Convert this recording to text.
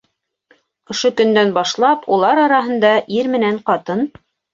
Ошо көндән башлап улар араһында ир менән ҡатын